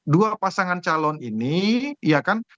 dua pasangan calon ini ya kan